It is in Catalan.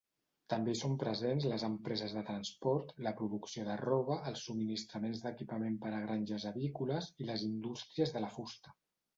També hi són presents les empreses de transport, la producció de roba, els subministraments d'equipament per a granges avícoles i les indústries de la fusta.